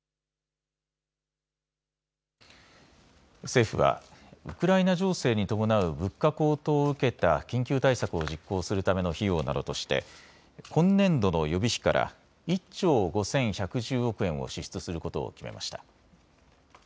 政府はウクライナ情勢に伴う物価高騰を受けた緊急対策を実行するための費用などとして今年度の予備費から１兆５１１０億円を支出することを決めました。